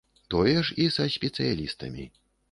Тое ж і са спецыялістамі.